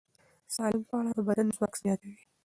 سالم خواړه د بدن ځواک زیاتوي.